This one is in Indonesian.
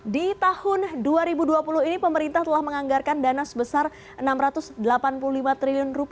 di tahun dua ribu dua puluh ini pemerintah telah menganggarkan dana sebesar rp enam ratus delapan puluh lima triliun